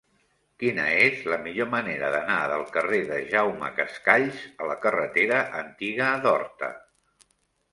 Quina és la millor manera d'anar del carrer de Jaume Cascalls a la carretera Antiga d'Horta?